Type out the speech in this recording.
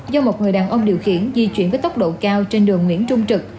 do một người đàn ông điều khiển di chuyển với tốc độ cao trên đường nguyễn trung trực